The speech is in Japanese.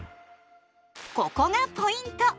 ここがポイント！